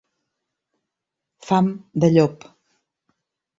Fam de llop.